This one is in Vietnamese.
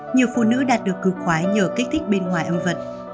nhiều phụ nữ đạt được cực khoái nhờ kích thích bên ngoài âm vật